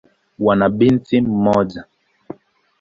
Wana binti mmoja.